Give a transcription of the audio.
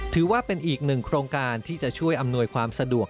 ถือว่าเป็นอีกหนึ่งโครงการที่จะช่วยอำนวยความสะดวก